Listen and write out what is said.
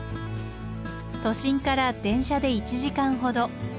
都心から電車で１時間ほど。